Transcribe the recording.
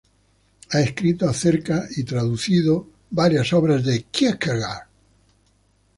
Ha escrito acerca y traducido varias obras de Kierkegaard.